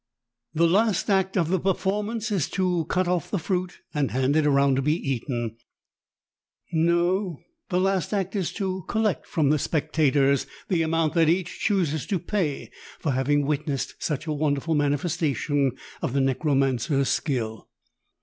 The last act of the performance is to cut off the fruit and hand it around to be eaten — no, the last act is to collect from the spectators the amount that each chooses to pay for having witnessed such a won derful manifestation of the necromancer's skill.